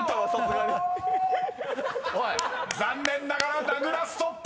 ［残念ながら名倉ストップ！］